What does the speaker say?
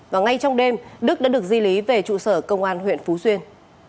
và ngay trong đêm đức đã được di lý về trụ sở công an huyện phú xuyên